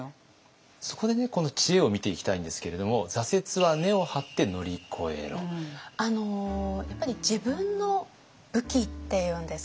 そこでこの知恵を見ていきたいんですけれどもやっぱり自分の武器っていうんですかね